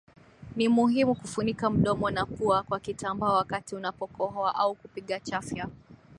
Ni muhimu kufunika mdomo na pua kwa kitambaa wakati unapokohoa au kupiga chafya